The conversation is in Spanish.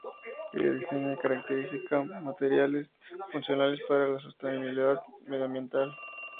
Ella diseña y caracteriza materiales funcionales para la sostenibilidad medioambiental.